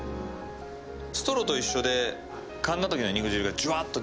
ストローと一緒で噛んだ時の肉汁がジュワっと出やすいんですよね。